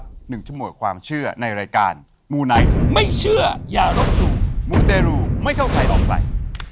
หนึ่งชั่วโมงความเชื่อในรายการมูไนท์ไม่เชื่ออย่ารบหลู่มูเตรูไม่เข้าใครออกใคร